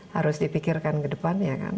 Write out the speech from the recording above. harus dipikirkan ke depannya